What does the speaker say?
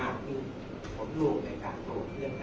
อาจมีขนลูกในการโดดเลือดได้